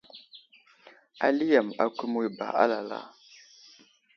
Ali yam akumiyo ba lala.